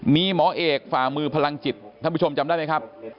มีหมอเอกฝ่ามือพลังจิตท่านผู้ชมจำได้ไหมครับ